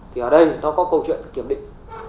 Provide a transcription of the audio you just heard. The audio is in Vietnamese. thì ở đây nó có câu chuyện kiểm định